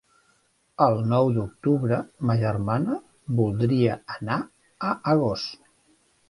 El nou d'octubre ma germana voldria anar a Agost.